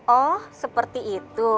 oh seperti itu